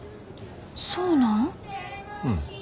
そうなん？